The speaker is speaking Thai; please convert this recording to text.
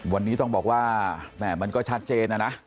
วันนี้ต้องบอกว่าแหม่มันก็ชัดเจนนะนะ